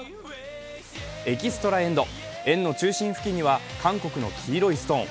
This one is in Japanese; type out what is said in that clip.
エキストラエンド、円の中心付近には韓国の黄色いストーン。